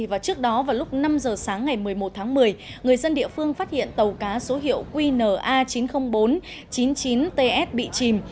và trước đó vào lúc năm giờ sáng ngày một mươi một tháng một mươi người dân địa phương phát hiện tàu cá số hiệu qna chín mươi nghìn bốn trăm chín mươi chín ts bị chìm